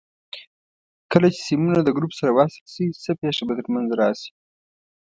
کله چې سیمونه د ګروپ سره وصل شي څه پېښه به تر منځ راشي؟